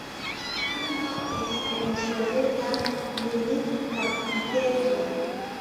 Li mortis en soveta militkaptiteco.